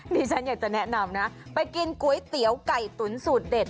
ดิฉันอยากจะแนะนำนะไปกินก๋วยเตี๋ยวไก่ตุ๋นสูตรเด็ด